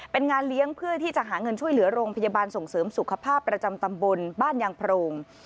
เป็นงานเลี้ยงเพื่อที่จะหาเงินช่วยเหลือโรงพยาบาลส่งเสริมสุขภาพประจำตำบลบ้านยางโพรง